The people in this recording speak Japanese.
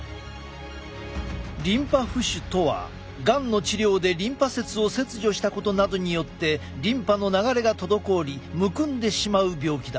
リンパ浮腫とはがんの治療でリンパ節を切除したことなどによってリンパの流れが滞りむくんでしまう病気だ。